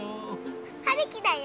はるきだよ！